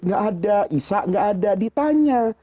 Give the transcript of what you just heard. nggak ada isya' nggak ada ditanya